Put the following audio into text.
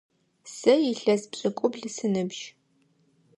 Сэ илъэс пшӏыкӏубл сыныбжь.